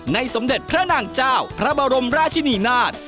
สมเด็จพระนางเจ้าพระบรมราชินีนาฏ